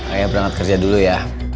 ayo berangkat kerja dulu ya